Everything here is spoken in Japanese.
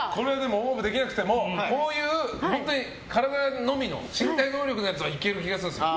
ＯＷＶできなくてもこういう体のみの身体能力のやつはいける気がするんですよ。